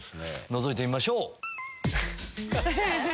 のぞいてみましょう。